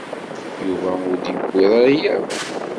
Yuba ur d-yewwiḍ ara akk.